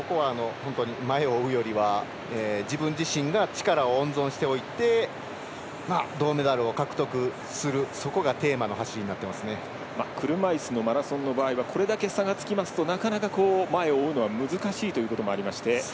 前を追うよりは自分自身が力を温存しておいて銅メダルを獲得するそこがテーマの車いすのマラソンの場合なかなか前を追うのは難しいというのがありまして。